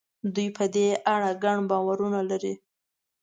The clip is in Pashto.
دوی په دې اړه ګڼ باورونه لري.